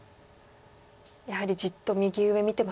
やはりじっと右上見てますね。